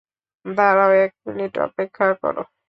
দাঁড়াও, এক মিনিট অপেক্ষা কর।